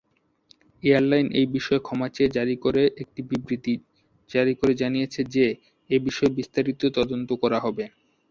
Airline এই বিষয়ে ক্ষমা চেয়ে জারি করে একটি বিবৃতি জারি করে জানিয়েছে যে এ বিষয়ে বিস্তারিত তদন্ত করা হবে।